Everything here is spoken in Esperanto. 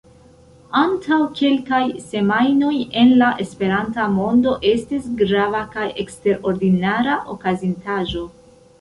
Antaŭ kelkaj semajnoj en la Esperanta mondo estis grava kaj eksterordinara okazintaĵo.